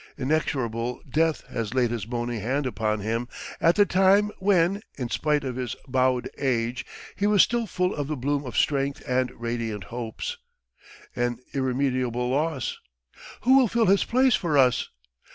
Inexorable death has laid his bony hand upon him at the time when, in spite of his bowed age, he was still full of the bloom of strength and radiant hopes. An irremediable loss! Who will fill his place for us?